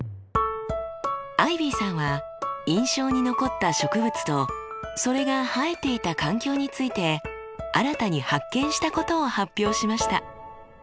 アイビーさんは印象に残った植物とそれが生えていた環境について新たに発見したことを発表しました。